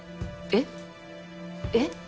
えっえっ？